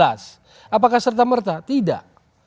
apakah serta merta tidak